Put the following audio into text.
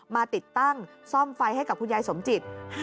ติดตั้งซ่อมไฟให้กับคุณยายสมจิต